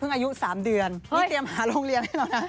เพิ่งอายุ๓เดือนนี่เตรียมหาโรงเรียนให้เรานะ